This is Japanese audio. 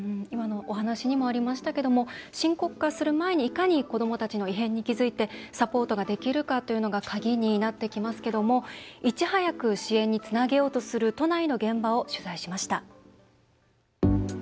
今のお話にもありましたが深刻化する前にいかに子どもたちの異変に気付いてサポートができるかというのが鍵になってきますけどいち早く支援につなげようとする都内の現場を取材しました。